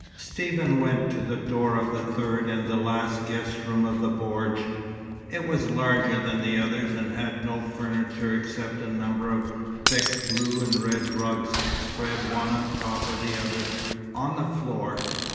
Stephen went to the door of the third and last guest room of the bordj. It was larger than the others, and had no furniture except a number of thick blue and red rugs spread one on top of the other, on the floor.